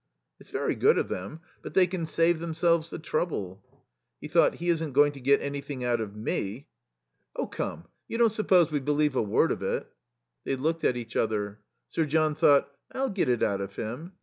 "It's very good of them. But they can save themselves the trouble." He thought: "He isn't going to get anything out of me." "Oh, come, you don't suppose we believe a word of it." They looked at each other. Sir John thought: "I'll get it out of him."